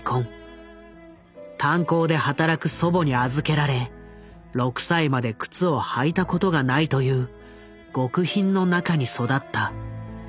炭鉱で働く祖母に預けられ６歳まで靴を履いたことがないという極貧の中に育った。